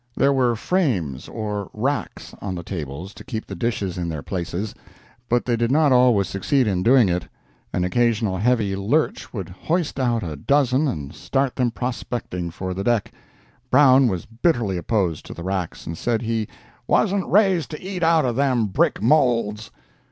There were frames or "racks" on the tables to keep the dishes in their places, but they did not always succeed in doing it. An occasional heavy lurch would hoist out a dozen and start them prospecting for the deck. Brown was bitterly opposed to the racks, and said he "Wasn't raised to eat out of them brick moulds."